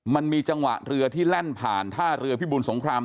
มันมีจังหวะเรือที่แล่นผ่านท่าเรือพิบูลสงคราม